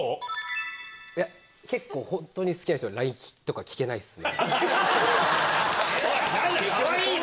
いや、結構、本当に好きな人には、ＬＩＮＥとか聞けないですね。